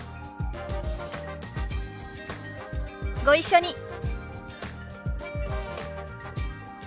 ご一緒に。